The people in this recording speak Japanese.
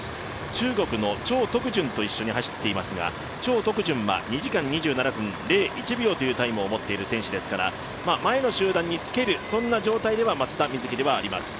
中国の張徳順と一緒に走っていますが張徳順は２時間２７分０１秒というタイムを持っている選手ですから前の集団につける、そんな状態では、松田瑞生、あります。